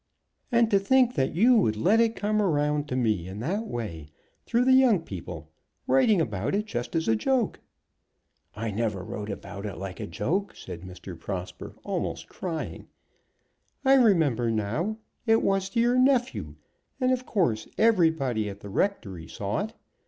"And to think that you would let it come round to me in that way, through the young people, writing about it just as a joke!" "I never wrote about it like a joke," said Mr. Prosper, almost crying. "I remember now. It was to your nephew; and of course everybody at the rectory saw it.